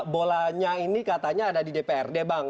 bolanya ini katanya ada di dprd bang